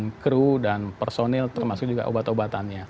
dengan kru dan personil termasuk juga obat obatannya